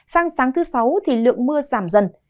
sang sáng thứ sáu thì lượng mưa giảm dần